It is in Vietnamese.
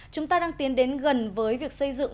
chúng ta đang tiến đến gần với việc xây dựng